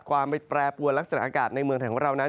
ความมีแปรปวลักษณะอากาศในเมืองทางว่าเรานั้น